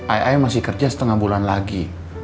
ay ay masih kerja setengah bulan lagi